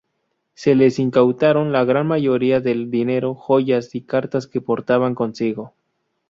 Se les incautaron la gran mayoría del dinero, joyas y cartas que portaban consigo.